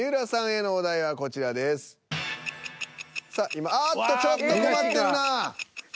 今あっとちょっと困ってんなぁ。